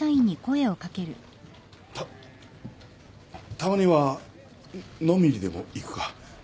たたまには飲みにでも行くか？